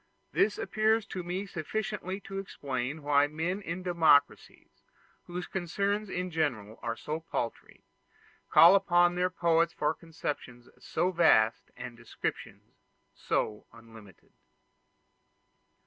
This appears to me sufficiently to explain why men in democracies, whose concerns are in general so paltry, call upon their poets for conceptions so vast and descriptions so unlimited.